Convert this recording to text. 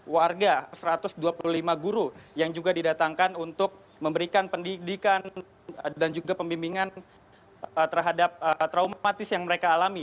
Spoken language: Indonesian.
warga satu ratus dua puluh lima guru yang juga didatangkan untuk memberikan pendidikan dan juga pembimbingan terhadap traumatis yang mereka alami